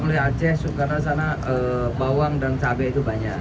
kalau di luar aceh karena di sana bawang dan cabai itu banyak